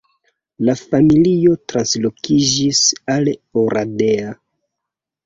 La familio translokiĝis al Oradea.